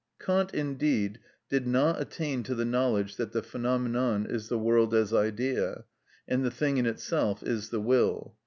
Kant, indeed, did not attain to the knowledge that the phenomenon is the world as idea, and the thing in itself is the will.